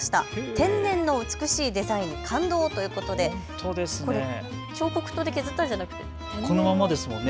天然の美しいデザインに感動ということで彫刻刀で削ったんじゃなくてそのままですもんね。